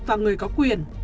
và người có quyền